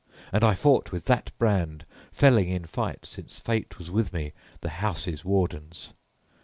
and I fought with that brand, felling in fight, since fate was with me, the house's wardens.